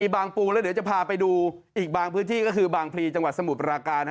บางปูแล้วเดี๋ยวจะพาไปดูอีกบางพื้นที่ก็คือบางพลีจังหวัดสมุทรปราการ